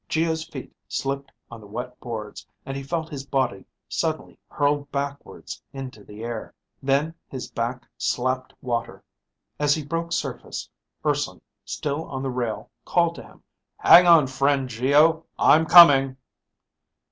Geo's feet slipped on the wet boards, and he felt his body suddenly hurled backwards onto the air. Then his back slapped water. As he broke surface, Urson, still on the rail called to him, "Hang on, friend Geo, I'm coming!"